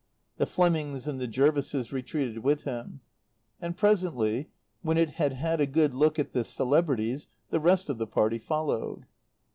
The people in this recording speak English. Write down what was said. The Flemings and the Jervises retreated with him; and presently, when it had had a good look at the celebrities, the rest of the party followed.